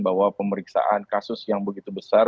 bahwa pemeriksaan kasus yang begitu besar